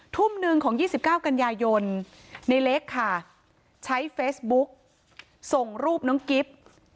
ทุ่มหนึ่งของ๒๙กันยายนในเล็กค่ะใช้เฟซบุ๊กส่งรูปน้องกิฟต์